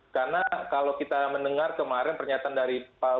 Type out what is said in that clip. karena kalau kita mendengar kemarin pernyataan dari pak wulman